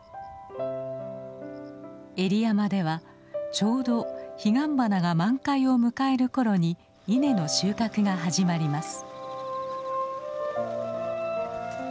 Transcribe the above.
江里山ではちょうどヒガンバナが満開を迎えるころに稲の収穫が始まります。